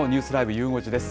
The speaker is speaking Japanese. ゆう５時です。